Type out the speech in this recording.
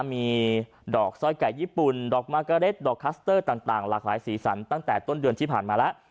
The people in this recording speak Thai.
มีดอกสร้อยไก่ญี่ปุ่นดอกมากะเร็ดดอกคัสเตอร์ต่างหลากหลายสีสันตั้งแต่ต้นเดือนที่ผ่านมาแล้ว